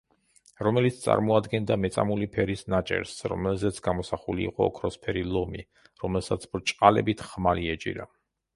რომელიც წარმოადგენდა მეწამული ფერის ნაჭერს, რომელზეც გამოსახული იყო ოქროსფერი ლომი, რომელსაც ბრჭყალებით ხმალი ეჭირა.